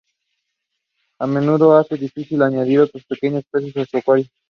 Esto a menudo hace difícil añadir otros pequeños peces en un acuario.